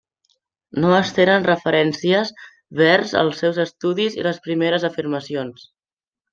No es tenen referències vers els seus estudis i les primeres afirmacions.